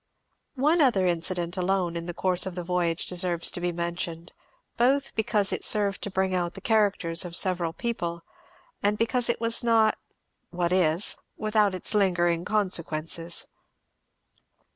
One other incident alone in the course of the voyage deserves to be mentioned; both because it served to bring out the characters of several people, and because it was not, what is? without its lingering consequences.